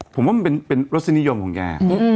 ผมว่ามันเป็นฤษณิยนชั้นของแก